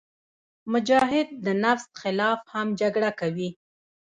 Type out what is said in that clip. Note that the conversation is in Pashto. مجاهد د نفس خلاف هم جګړه کوي.